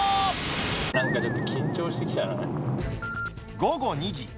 なんかちょっと緊張してきた午後２時。